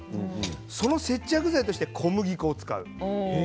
その接着剤として小麦粉を使う。